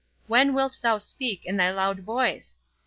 When wilt thou speak in thy loud voice?